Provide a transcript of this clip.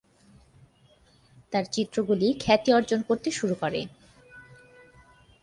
তাঁর চিত্রগুলি খ্যাতি অর্জন করতে শুরু করে।